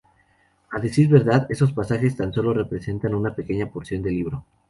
A decir verdad, esos pasajes tan sólo representan una pequeña porción del libro.